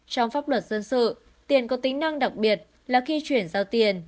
trong pháp luật dân sự tiền có tính năng đặc biệt là khi chuyển giao tiền